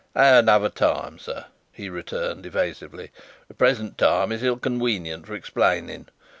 "At another time, sir," he returned, evasively, "the present time is ill conwenient for explainin'.